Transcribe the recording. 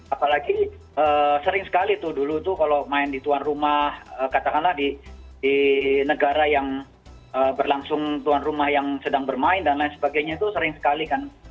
apalagi sering sekali tuh dulu tuh kalau main di tuan rumah katakanlah di negara yang berlangsung tuan rumah yang sedang bermain dan lain sebagainya itu sering sekali kan